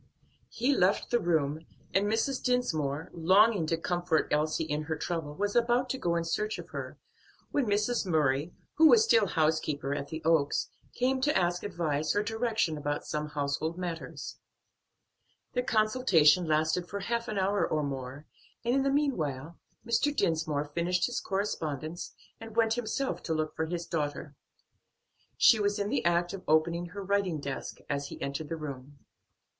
He left the room, and Mrs. Dinsmore, longing to comfort Elsie in her trouble, was about to go in search of her, when Mrs. Murray, who was still housekeeper at the Oaks, came to ask advice or direction about some household matters. Their consultation lasted for half an hour or more, and in the meanwhile Mr. Dinsmore finished his correspondence and went himself to look for his daughter. She was in the act of opening her writing desk as he entered the room.